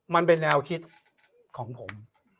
มันเป็นแนวคิดของผม